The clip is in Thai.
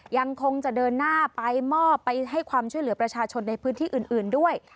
ยังคงจะเดินหน้าไปมอบไปให้ความช่วยเหลือประชาชนในพื้นที่อื่นด้วย